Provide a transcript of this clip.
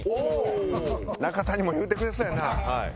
中谷も言うてくれそうやな。